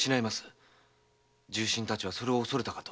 重臣たちはそれを恐れたかと。